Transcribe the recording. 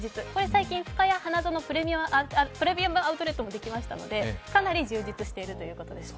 最近、ふかや花園プレミアアウトレットもできたのでかなり充実しているということです。